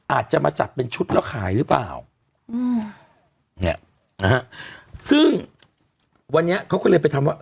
อาจจะมาจัดเป็นชุดแล้วขายหรือเปล่าอืมเนี่ยนะฮะซึ่งวันนี้เขาก็เลยไปทำว่า